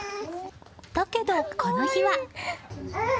だけど、この日は。